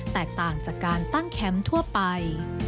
แตกต่างจากการตั้งแคมป์ทั่วไป